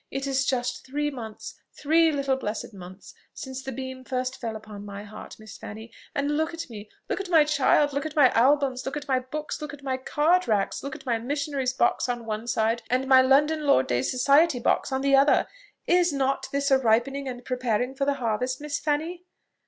It is just three months, three little blessed months, since the beam first fell upon my heart, Miss Fanny; and look at me, look at my child, look at my albums, look at my books, look at my card racks, look at my missionary's box on one side, and my London Lord days' society box on the other. Is not this a ripening and preparing for the harvest, Miss Fanny?"